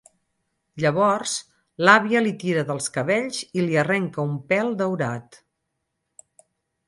Llavors l'àvia li tira dels cabells i li arrenca un pèl daurat.